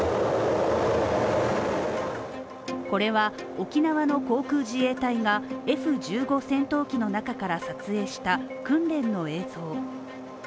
これは沖縄の航空自衛隊がＦ−１５戦闘機の中から撮影した訓練の映像。